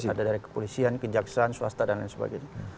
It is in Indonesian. ada dari kepolisian kejaksaan swasta dan lain sebagainya